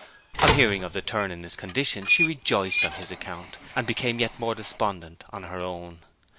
On hearing of the turn in his condition she rejoiced on his account, and became yet more despondent on her own.